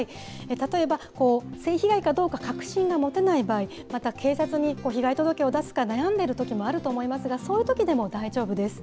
例えば、性被害かどうか確信が持てない場合、また警察に被害届を出すか悩んでいるときもあると思いますが、そういうときでも大丈夫です。